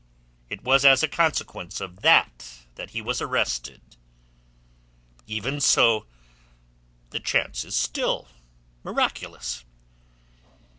It was as a consequence of that that he was arrested." "Even so, the chance is still miraculous."